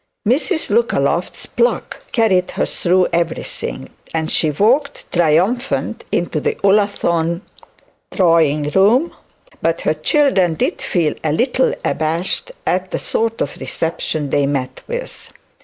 Mrs Lookaloft's pluck carried her through everything, and she walked triumphant into the Ullathorne drawing room; but her children did feel a little abashed at the sort of reception they met with.